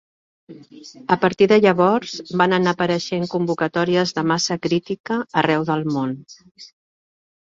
A partir de llavors, van anar apareixent convocatòries de Massa Crítica arreu del món.